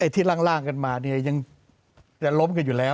ที่ล่างกันมาเนี่ยยังจะล้มกันอยู่แล้ว